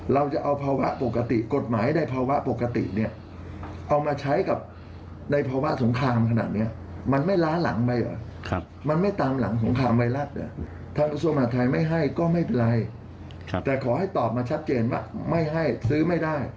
แล้วก็ไม่เป็นไรแต่ผมขอให้ตอบมาชัดเจนว่าไม่ให้ซื้อไม่ได้